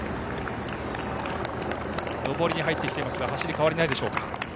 上りに入っていますが走りは変わりないですか？